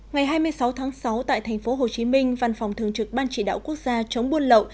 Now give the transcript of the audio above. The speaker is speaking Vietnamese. ngày hai mươi sáu tháng sáu tại tp hcm văn phòng thường trực ban chỉ đạo quốc gia chống buôn lậu